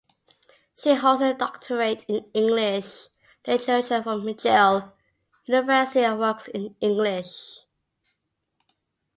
She holds a doctorate in English literature from McGill University and works in English.